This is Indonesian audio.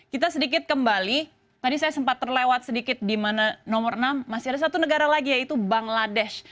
kita sedikit kembali tadi saya sempat terlewat sedikit di mana nomor enam masih ada satu negara lagi yaitu bangladesh